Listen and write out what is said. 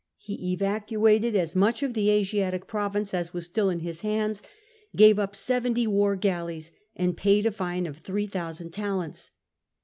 He evacuated as much of the Asiatic province as was still in his hands, gave up seventy war galleys, and paid a fine of 3000 talents.